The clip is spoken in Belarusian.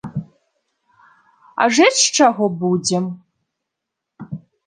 А жыць з чаго будзем?